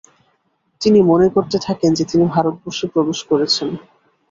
তিনি মনে করতে থাকেন যে তিনি ভারতবর্ষে প্রবেশ করেছেন।